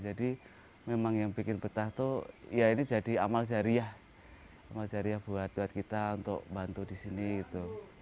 jadi memang yang bikin betah tuh ya ini jadi amal jariah buat kita untuk bantu di sini gitu